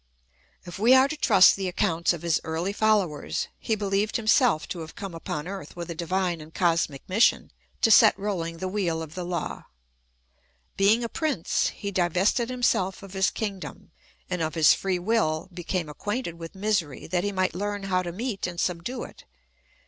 If we are to trust the accounts of his early followers, he beheved himself to have come upon earth with a divine and cosmic mission to set rolHng the wheel of the law. 2 196 THE ETHICS OF BELIEF. Being a prince, he divested himself of his kingdom, and of his free will became acquainted with misery, that he might learn how to meet and subdue it.